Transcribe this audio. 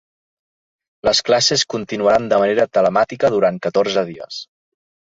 Les classes continuaran de manera telemàtica durant catorze dies.